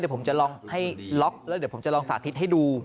เดี๋ยวผมจะลองให้ล็อกแล้วเดี๋ยวผมจะลองสาธิตให้ดู